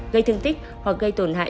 gây thương tích hoặc gây tổn hại